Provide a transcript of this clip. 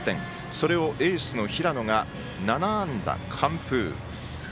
それをエースの平野が７安打完封。